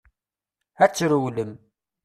Ad trewlem.